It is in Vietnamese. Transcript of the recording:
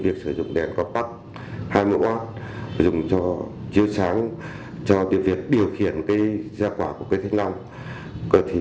việc sử dụng đèn compact hai mươi w dùng cho chiếu sáng điều khiển gia quả của cây thanh lòng